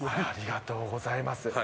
ありがとうございます。